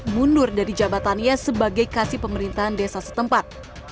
mundur dari jabatannya sebagai kasih pemerintahan desa setempat